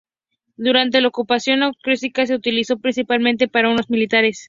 Durante la ocupación austriaca, se utilizó principalmente para usos militares.